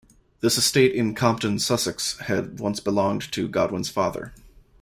This estate in Compton, Sussex, had once belonged to Godwin's father.